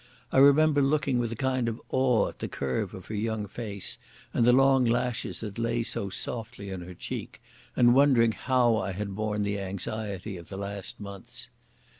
I remember looking with a kind of awe at the curve of her young face and the long lashes that lay so softly on her cheek, and wondering how I had borne the anxiety of the last months.